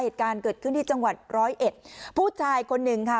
เหตุการณ์เกิดขึ้นที่จังหวัดร้อยเอ็ดผู้ชายคนหนึ่งค่ะ